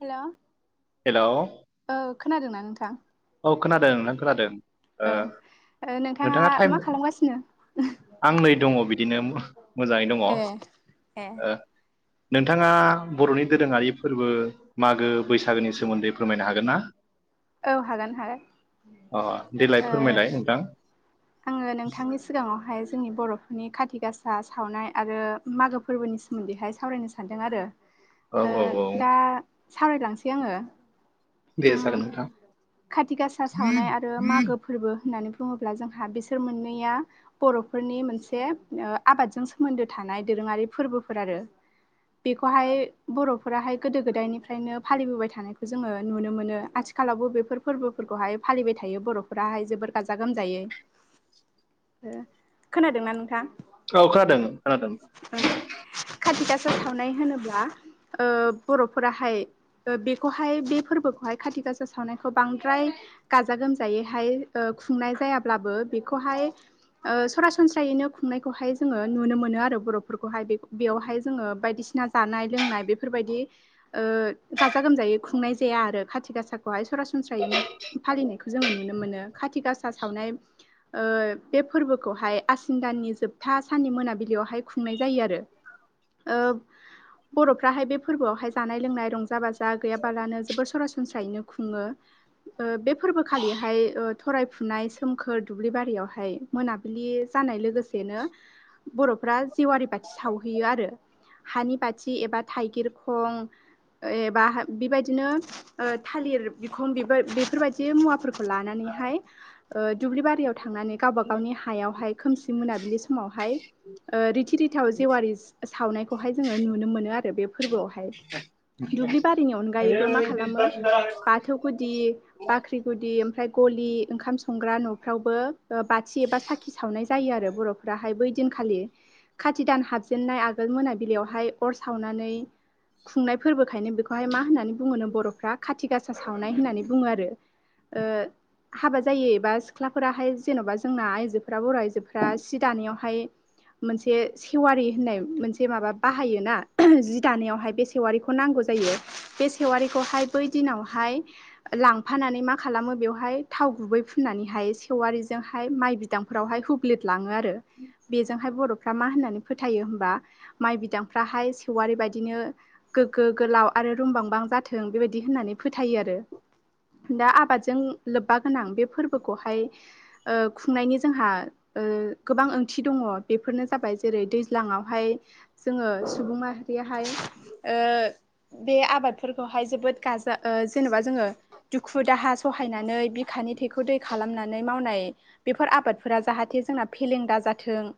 Hello hello औ खोनादोंना नोंथां? औ खोनादों नों खोनादों ओ औ नोंथाङा मा खालामगासिनो [unintelligible] आं नै दङ बिदिनो मोजाङै दङ' ए नोंथाङा बर'नि दोरोङारि फोरबो मागो बैसागोनि सोमोन्दै फोरमायनो हागोन ना? औ हागोन हागोन अ देलाय ओ फोरमायलाय नोंथां आङो नोंथांनि सिगाङावहाय जोंनि बर'फोरनि खाथि गासा सावनाय आरो मागो फोरबोनि सोमोन्दैहाय सावरायनो सानदों आरो औ ओ औ औ दा सावरायलांसै आङो दे उम जागोन नोंथां खाथि गासा सावनाय आरो मागो फोरबो होननानै बुङोब्ला जोंहा बिसोर मोननैया बर'फोरनि मोनसे ओ आबादजों सोमोन्दो थानाय दोरोङारि फोरबोफोर आरो बेखौहाय बर'फोराहाय गोदो गोदायनिफ्रायनो फालिबोबाय थानायखौ जोङो नुनो मोनो आथिखालावबो बेफोर फोरबोफोरखौहाय फालिबाय थायो बर'फोराहाय जोबोर गाजा गोमजायै खोनादोंना नोंथां? औ खोनादों खोनादों औ खाथि गासा सावनाय होनोब्ला ओ बर'फोराहाय ओ बेखौहाय बे फोरबोखौहाय खाथि गासा सावनायखौ बांद्राय गाजा गोमजायैहाय ओ खुंनाय जायाब्लाबो बेखौहाय ओ सरासनस्रायैनो खुंनायखौहाय जोङो नुनो मोनो आरो बर'फोरखौहाय बेयावहाय जोङो बायदिसिना जानाय लोंनाय बेफोरबायदि ओ गाजा गोमजायै खुंनाय जाया आरो खाथि गासाखौहाय सरासनस्रायैनो फालिनायखौ जोङो नुनो मोनो खाथि गासा सावनाय ओ बे फोरबोखौहाय आसिन दाननि जोबथा साननि मोनाबिलियावहाय खुंनाय जायो आरो ओ बर'फ्राहाय बे फोरबोआवहाय जानाय लोंनाय रंजा बाजा गैयाबालानो जोबोर सरासनस्रायैनो खुङो ओ बे फोरबोखालिहाय ओ थरायफुनाय सोमखोर दुब्लि बारियावहाय मोनाबिलि जानाय लोगोसेनो बर'फ्रा जेवारि बाथि सावहैयो आरो हानि बाथि एबा थाइगिर खं एबा बेबायदिनो ओ थालिर बिखं बि बेफोरबायदि दि मुवाफोरखौ लानानैहाय ओ दुब्लि बारियाव थांनानै गावबा गावनि हायावहाय खोमसि मोनाबिलि समावहाय ओ रिथि रिथाव जेवारि सावनायखौहाय जोङो नुनो मोनो आरो बे फोरबोआवहाय दुब्लि बारिनि अनगायैबो मा खालामो बाथौ गुदि बाख्रि गुदि ओमफ्राय गलि ओंखाम संग्रा न'फ्रावबो ओ बाथि एबा साखि सावनाय जायो आरो बर'फोराहाय बै दिनखालि खाथि दान हाबजेननाय आगोल मोनाबिलियावहाय अर सावनानै खुंनाय फोरबोखायनो बेखौहाय मा होननानै बुङोनो बर'फ्रा खाथि गासा सावनाय होननानै बुङो आरो ओ हाबा जायै एबा सिख्लाफोराहाय जेन'बा जोंना आइजोब फोरा बर' आइजोफोरा सि दानायावहाय मोनसे सेवारि होननाय मोनसे माबा बाहायोना जि दानायावहाय बेसे सेवारिखौ नांगौ जायो बे सेवारिखौहाय बै दिनावहाय लांफानानै मा खालामो बेवहाय थाव गुबै फुननानैहाय सेवारिजोंहाय माइ बिथ बिदांफोरावहाय हुब्लिद लाङो आरो बेजोंहाय बर'फ्रा मा होननानै फोथायो होमबा माइ बिदांफ्राहाय सेवारि बायदिनो गोग्गो गोलाव आरो रुमबांबां जाथों बेबायदि होननानै फोथायो आरो। दा आबादजों लोब्बा गोनां बे फोरबोखौहाय ओ खुंनायनि जोंहा गोबां ओंथि दङ बेफोरनो जाबाय जेरै दैज्लाङावहाय जोङो सुबुं माहारियाहाय ओ बे आबाद फोरहाय जोबो गाजा जेनेबा जोङो दुखु दाहा सहायनानै बिखानि थेखौ दै खालामनानै मावनाय बेफोर आबादफोरा जाहाथे जोंना फेलें दा जाथों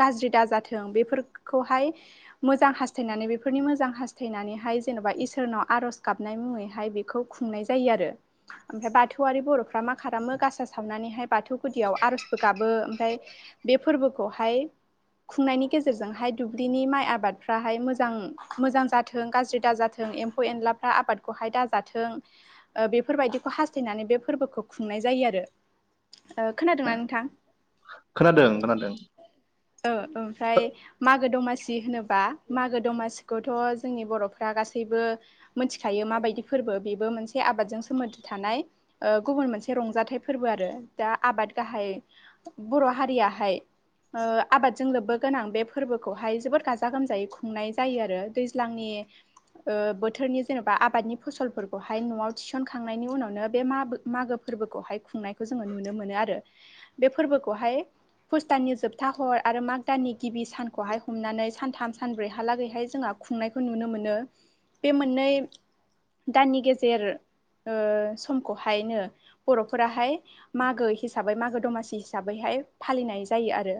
गाज्रि दाजाथों बेफोरखौहाय मोजां हास्थायनानै बेफोरनि मोजां हास्थायनानैहाय जेन'बा इसोर सोरनाव आर'ज गाबनाय मुङैहाय बेखौ खुंनाय जायो आरो। ओमफ्राय बाथौआरि बर'फ्रा मा खालामो गासा सावनानैहाय बाथौ गुदियाव आर'जबो गाबो ओमफ्राय बे फोरबोखौहाय खुंनायनि गेजेरजोंहाय दुब्लिनि माइ आबादफ्राहाय मोजां मोजां जाथों गाज्रि दाजाथों। जों एमफौ एनलाफ्रा आबादखौ दा जाथों बेफोर बायदिखौ हास थायनानै बे फोरबोखौ खुंनाय जायो आरो खोनादोंना नोंथां? खोनादों खोनादों औ ओमफ्राय मागो दमासि होनोबा मागो दमासिखौथ' जोंनि बर'फ्रा गासैबो गासैबो मिथिखायो माबायदि फोरबो बेबो मोनसे आबादजों सोमोन्दो थानाय गुबुन मोनसे रंजाथाइ फोरबो आरो दा आबाद गाहाय बर' हारियाहाय आबादजों लोब्बा गोनां बे फोरबोखौहाय जोबोद गाजा गोमजायै खुंनाय जायो आरो दैज्लांनि ओ बोथोरनि जेनेबा आबादनि फसलफोरखौहाय न'आव थिसनखांनायनि उनावनो बे माबो मागो फोरबोखौहाय खुंनायखौ जोङो नुनो मोनो आरो बे फोरबोखौहाय पुसटाननि जोबथा हर आरो माग दाननि गिबि सानखौहाय हमनानै सानथाम सानब्रैहालागैहाय जोंहा खुंनायखौ नुनो मोनो। बे मोननै दाननि गेजेर समखौहायनो बर'फोराहाय मागो हिसाबै मागो दमासि हिसाबैहाय फालिनाय जायो आरो।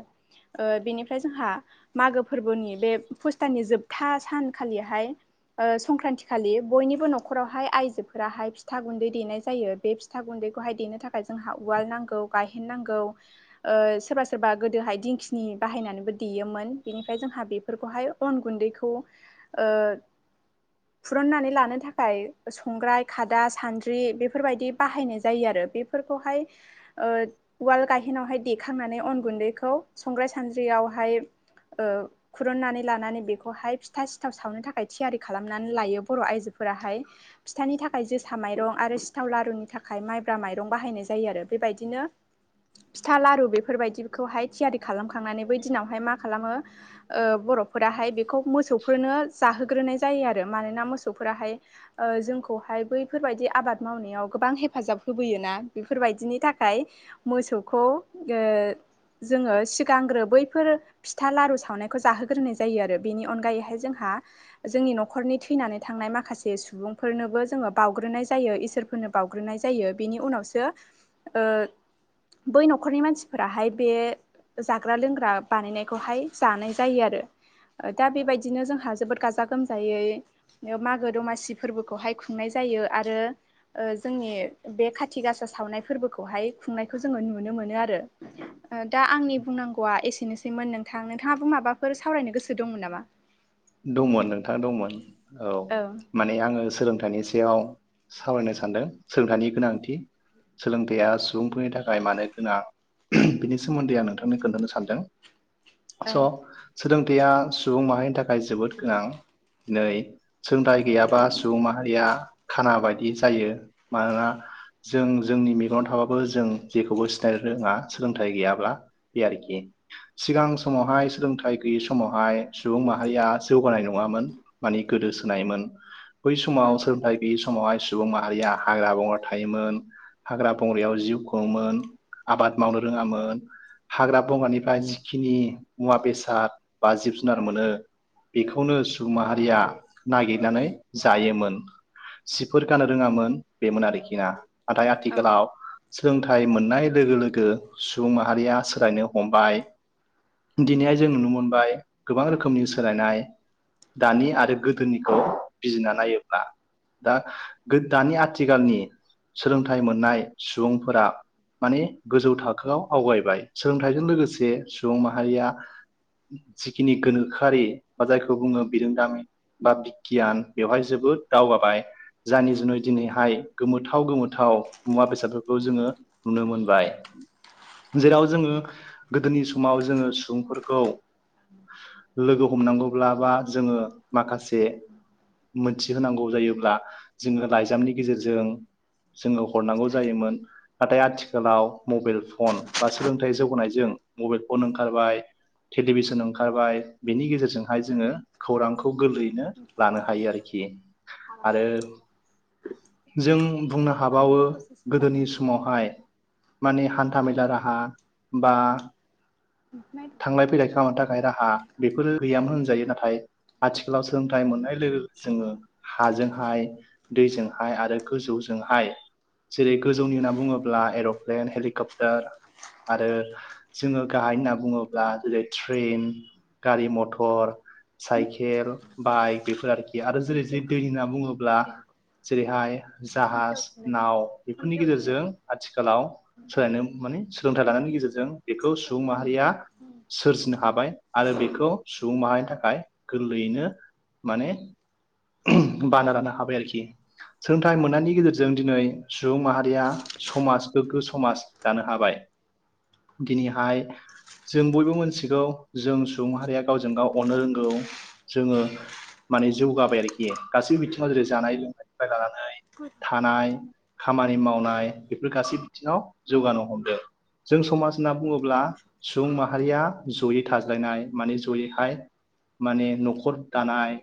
बेनिफ्राय जोंहा मागो फोरबोनि बे फुस्ताननि जोबथा सानखालिहाय ओ संक्रान्त खालि बयनिबो न'खरावहाय आइजो फोराहाय फिथा गुन्दै देनाय जायो बे फिथा गुन्दैखौहाय देनो थाखाय जोंहा उवाल नांगौ गायहेन नांगौ। ओ सोरबा सोरबा गोदोहाय दिंखिनि बाहायनानैबो देयोमोन बेनिफ्राय जोंहा बेफोरखौहाय उन गुन्दैखौ ओ फुरुननानै लानो थाखाय संग्राय खादा सानद्रि बेफोरबायदि बाहायनाय जायो आरो बे फोरखौहाय उवाल गाहेनावहाय देखांनानै अन गुन्दैखौ संग्राय सानज्रियावहाय ओ खुरुननानै लानानै बेखौहाय फिथा सिथाव सावनो थाखाय थियारि खालामनानै लायो बर' आइजोफोराहाय। फिथानि थाखाय जोसा माइरं आरो सिथाव लारुनि थाखाय माइब्रा माइरं बाहायनाय जायो आरो बेबायदिनो। फिथा लारु बेफोरबायदिखौहाय थियारि खालामखांनानै बै दिनावहाय मा खालामो ओ बर'फोराहाय बेखौ मोसौफोरनो जाहोग्रोनाय जायो आरो मानोना मोसौफोराहाय ओ जोंखौहाय बैफोरबायदि आबाद मावनायाव गोबां हेफाजाब होबोयोना बेफोरबायदिनि थाखाय। मोसौखौ ओ जोङो सिगांग्रो बैफोर फिथा लारु सावनायखौ जाहोग्रोनाय जायो आरो बेनि अनगायैहाय जोंहा जोंनि न'खरनि थैनानै थांनाय माखासे सुबुंफोरनोबो जोङो बाउग्रोनाय जायो इसोर होनो बावउग्रोनाय जायो बेनि उनावसो ओ बै न'खरनि मानसिफोराहाय बे जाग्रा लोंग्रा बानायनायखौहाय जानाय जायो आरो दा बेबायदिनो जोंहा जोबोद गाजा गोमज गोमजायै मागो दमासि फोरबोखौहाय खुंनाय जायो आरो ओ जोंनि बे खाथि गासा सावनाय फोरबोखौहाय खुंनायखौ जोङो नुनो मोनो आरो। दा आंनि बुंनांगौआ एसेनोसैमोन नोंथां नोंथाङाबो माबाफोर सावरायनो गोसो दंमोन नामा? दंमोन नोंथां दंमोन औ। माने आङो सोलोंथाइनि सायाव सावरायनो सानदों सोलोंथाइनि गोनांथि सोलोंथाइया सुबुंफोरनि थाखाय मानो गोनां। बिनि सोमोन्दै आं नोंथांनो खोन्थानो सानदों। औ स' सोलोंथाइया सुबुं माहारिनि थाखाय जोबोद गोनां जेरै सोलोंथाइ गैयाबा सुबुं माहारिया खाना बायदि जायो मानोना जों जोंनि मेगनाव थाबाबो जों जेखौबो सिनायनो रोङा सोलोंथाइ गैयाब्ला। बे आरोखि सिगां समावहाय सोलोंथाइ गैयै समावहाय या जौगानाय नङोन मानि गोदोसोनायोन बै समाव सोलोंथाइ बे समावहाय सुबुं माहारिया हाग्रा बंग्रा थायोमोन। हाग्रा बंग्रायाव जिउ खुङोमोन आबाद मावनो रोङामोन। हाग्रा बंग्रानिफ्राय जिखिनि मुवा बेसाद बा जिब जुनार मोनो। बेखौनो सुबुं माहारिया नागिरनानै जायोमोन। सिफोर गानो रोङामोन बेमोन आरोखि ना नाथाय औ आथिखालाव सोलोंथाइ मोननाय लोगो लोगो सुबुं माहारिया सोलायनो हमबाय दिनैहाय जों नुनो मोनबाय गोबां रोखोमनि सोलायनाय दानि आरो गोदोनिखौ बिजिना नायोब्ला। दा गो दानि आथिखालनि सोलोंथाइ मोननाय सुबुंफोरा माने गोजौ थाखोआव आवगायबाय सोलोंथाइजों लोगोसे सुबुं माहारिया जिखिनि गोनोखोआरि बा जायखौ बुङो बिरोंदामिन बा बिगियान बेवहाय जोबोद दावगाबाय। जानि जुनै दिनैहाय गोमोथाव गोमोथाव मुवा बेसादफोरखौ जोङो नुनो मोनबाय। जेराव जोङो गोदोनि समाव जोङो सुबुंफोरखौ लोगो हमनांगौब्ला बा जोङो माखासे मोनथिहोनांगौ जायोब्ला जोङो लाइजामनि गेजेरजों जोङो हरनांगौ जायोमोन। नाथाय आथिखालाव मबाइल फन बा सोलोंथाइ जौगानायजों मबाइल फन ओंखारबाय। टेलिभिसन ओंखारबाय बिनि गेजेरजोंहाय जोङो खौरांखौ गोरलै लानो हायो आरोखि आरो। जों बुंनो हाबावो गोदोनि समावहाय मानि हान्था मेला राहा बा थांलाय फैलाय खालामनो थाखाय राहा बेफोरो गैयामोन होनजायो नाथाय आथिखालाव सोलोंथाइ मोननाय लोगो जोङो हाजोंहाय दैजोंहाय आरो गोजौजोंहाय जेरै गोजौनि होनना बुङोब्ला एर'प्लेन हेलिकप्टार आरो जोङो गाहाय होनना बुङो। ब्ला जेरै ट्रेन, गारि-मथर साइकेल, बाइक बेफोर आरोखि। आरो जेरै जि दै होनना बुङोब्ला जेरैहाय जाहाज, नाव बेफोरनि गेजेरजों आथिखालाव सोलायनो माने सोलोंथाइ लानायनि गेजेरजों बेखौ सुबुं माहारिया सोरजिनो हाबाय आरो बेखौ सुबुं माहारिनि थाखाय गोरलैयैनो माने बाना लानो हाबाय आरोखि। सोलोंथाइ मोननायनि गेजेरजों दिनै सुबुं माहारिया समाज गोग्गो समाज जानो हाबाय दिनैहाय जों बयबो मोनथिगौ जों सुबुंहारिया गावजों गाव अनो रोंगौ जोङो माने जौगाबाय आरोखि गासैबो बिथिङाव जेरै जानाय-लोंनायनिफ्राय लानानै थानाय खामानि मावनाय बेफोर गासै बिथिङाव जौगानो हमदों। जों समाज होनना बुङोब्ला सुबुं माहारिया जयै थाज्लायनाय माने जयैहाय माने न'खर दानाय।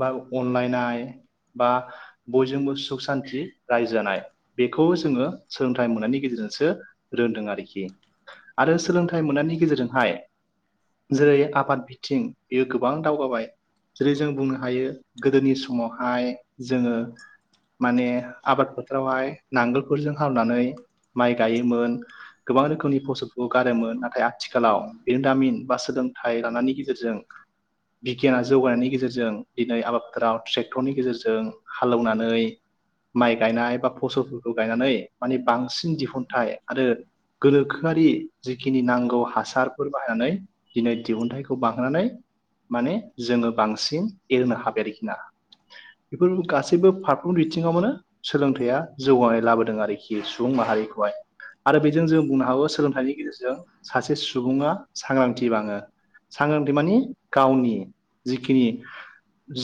बा अनलायनाय बा बयजोंबो सुख-सान्थि रायजो जानाय। बेखौ जोङो सोलोंथाइ मोननायनि गेजेरजोंसो रोंदों आरोखि। आरो सोलों- थाय मोननायनि गेजेरजोंहाय जेरै आबाद बिथिं बेयो गोबां दावगाबाय। जेरै जों बुंनो हायो गोदोनि समावहाय जोङो माने आबाद फोथोरावहाय नांगोल बेफोरजों हाल एवनानै माइ गायोमोन गोबां रोखोमनि फसलखौ गारोमोन आ- आथिखालाव बिरदामिन बा सोलोंथाइ लानायनि गेजेरजों बिगियाना जौगानायनि गेजेरजों दिनै आबादफोराव ट्रेक्टरनि गेजेरजों हाल एवनानै माइ गायनाय बा फसलफोरखौ गायनानै माने बांसिन दिहुनथाइ आरो गोनोखोआरि जिखि- नि नांगौ हासारफोर बाहायनानै दिनै दिहुनथाइखौ बांनानै माने जोङो बांसिन एरनो हाबाय आरोखि ना। बेफोर गासैबो फारफ्रोम बिथिंङावनो सोलोंथाइया जौगानाय लाबोदों आरोखि सुबुं माहारिखौहाय। आरो बेजों जों बुंनो हागौ सोलोंथाइनि गेजेरजों सासे सुबुङा सांग्रांथि बाङो। सांग्रांथि मानि गावनि जिखिनि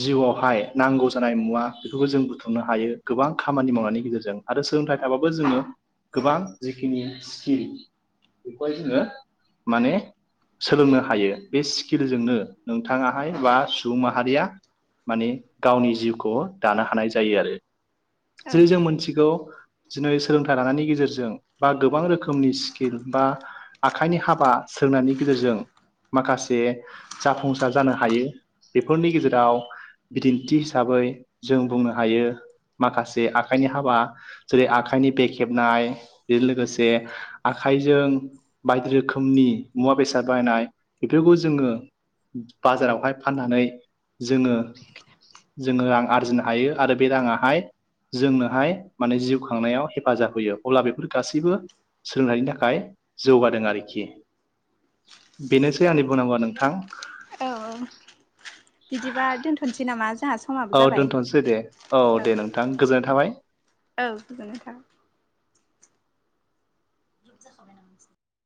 जिउआवहाय नांगौ जानाय मुवा बेफोरखौ जों बुथुमनो हायो गोबां खामानि मावनायनि गेजेरजों। आरो सोलोंथाइ थाबाबो जोङो गोबां जिखिनि स्किल बेखौहाय जोङो माने सोलोंनो हायो। बे स्किलजोंनो नोंथाङाहाय बा सुबुं माहारिया माने गावनि जिउखौ दानो हानाय जायो आरो। औ जेरै जों मोनथिगौ दिनै सोलोंथाइ लानायनि गेजेरजों बा गोबां रोखोमनि स्किल बा आखाइनि हाबा सोंनायनि गेजेरजों माखासे जाफुंसार जानो हायो। बेफोरनि गेजेराव बिदिन्थि हिसाबै जों बुंनो हायो माखासे आखाइनि हाबा जेरै आखाइनि बेक हेबनाय बेजों लोगोसे आखाइजों बायदि रोखोमनि मुवा-बेसाद बायनाय। बेफोरखौ जोङो बाजारावहाय फाननानै जोङो जोङो रां आरजिनो हायो आरो बे राङाहाय जोंनोहाय माने जिउ खांनायाव हेफाजाब होयो अब्ला बेफोर गासैबो सोलोंथायाइनि थाखाय जौगादों आरोखि बेनोसै आंनि बुंनांगौआ नोंथां। औ औ बिदिबा दोनथ'नोसै नामा जोंहा समाबो औ जाबाय दोनथ'सै दे औ दे नोंथां गोजोननाय थाबाय। औ गोजोननाय थाबाय।